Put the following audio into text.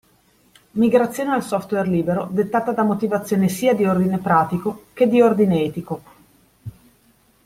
Migrazione al software libero dettata da motivazioni sia di ordine pratico che di ordine etico.